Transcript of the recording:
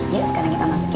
ya sekarang kita masuk yuk